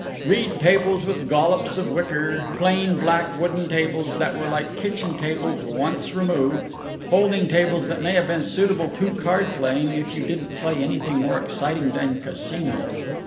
Reed tables with gollops of wicker; plain black wooden tables that were like kitchen tables once removed; folding tables that may have been suitable to card playing, if you didn't play anything more exciting than casino.